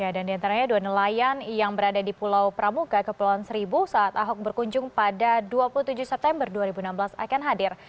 dan diantaranya dua nelayan yang berada di pulau pramuka kepulauan seribu saat ahok berkunjung pada dua puluh tujuh september dua ribu enam belas akan hadir